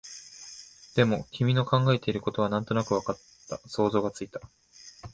でも、君の考えていることはなんとなくわかった、想像がついた